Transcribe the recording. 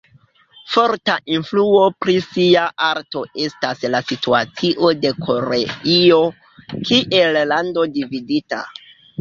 Forta influo pri sia arto estas la situacio de Koreio kiel lando dividita.